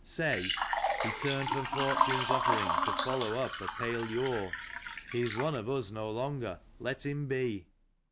Say: "He turned from Fortune's offering to follow up a pale lure, He is one of us no longer — let him be."